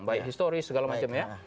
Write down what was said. baik historis segala macam ya